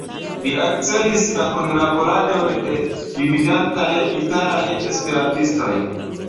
Li akcelis la kunlaboradon de gvidantaj italaj Esperantistoj.